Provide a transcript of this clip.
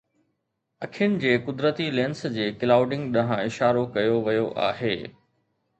اکين جي قدرتي لينس جي ڪلائوڊنگ ڏانهن اشارو ڪيو ويو آهي